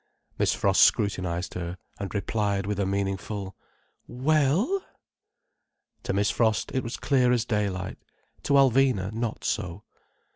Miss Frost scrutinized her, and replied with a meaningful: "Well—!" To Miss Frost it was clear as daylight. To Alvina not so.